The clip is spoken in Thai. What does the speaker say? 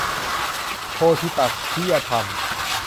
โพธิปักขิยธรรม